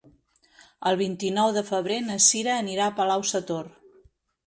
El vint-i-nou de febrer na Cira anirà a Palau-sator.